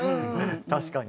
確かに。